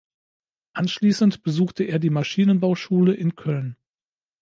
Anschließend besuchte er die Maschinenbauschule in Köln.